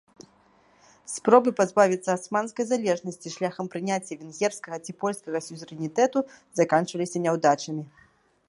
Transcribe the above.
Спробы пазбавіцца асманскай залежнасці шляхам прыняцця венгерскага ці польскага сюзерэнітэту заканчваліся няўдачамі.